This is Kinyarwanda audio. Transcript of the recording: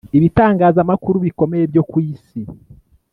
Ibitangazamakuru bikomeye byo ku isi